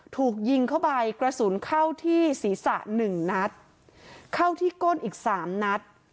ถูกยิงเข้าไปกระสุนเข้าที่ศีรษะหนึ่งนัดเข้าที่ก้นอีกสามนัด